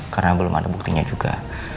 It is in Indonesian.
karena belum ada buktinya juga